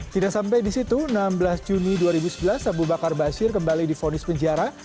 tidak sampai di situ enam belas juni dua ribu sebelas abu bakar basir kembali difonis penjara